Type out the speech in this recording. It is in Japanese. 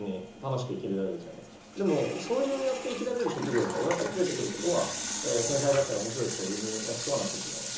でもそうやって生きられる職業が世の中にふえてくることは天才だったりおもしろい人を生みやすくはなってると思います。